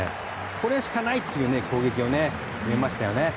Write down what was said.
これしかないという攻撃をしてくれましたよね。